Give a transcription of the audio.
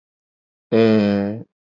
Ee.